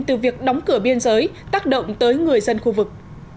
từ việc đóng cửa biên giới tác động tới người dân khu vực